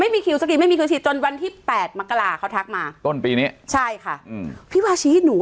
อ่ามันเป็นเดือนธันวาปีห